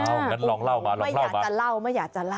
งั้นลองเล่ามาลองไม่อยากจะเล่าไม่อยากจะเล่า